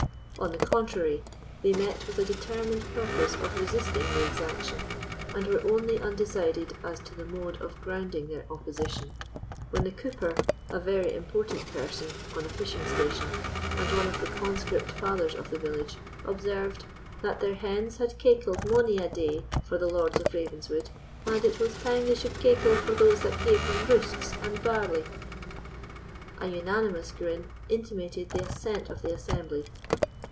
On the contrary, they met with a determined purpose of resisting the exaction, and were only undecided as to the mode of grounding their opposition, when the cooper, a very important person on a fishing station, and one of the conscript fathers of the village, observed, "That their hens had caickled mony a day for the Lords of Ravenswood, and it was time they suld caickle for those that gave them roosts and barley." An unanimous grin intimated the assent of the assembly.